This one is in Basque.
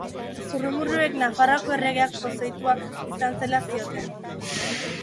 Zurrumurruek Nafarroako erregeak pozoitua izan zela zioten.